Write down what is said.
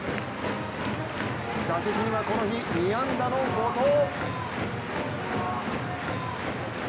打席には、この日２安打の後藤。